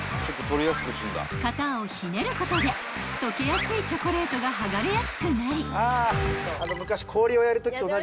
［型をひねることで溶けやすいチョコレートが剥がれやすくなり］